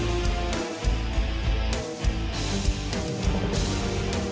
ลูกเอ๋ย